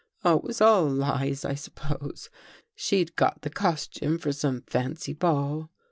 Oh, it was all lies, I sup pose. She'd got the costume for some fancy ball.